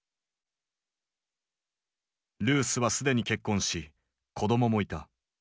ルースは既に結婚し子供もいた。